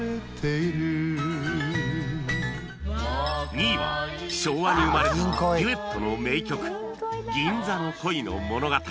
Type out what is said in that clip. ２位は昭和に生まれたデュエットの名曲『銀座の恋の物語』